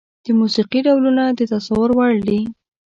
د موسيقي ډولونه د تصور وړ دي.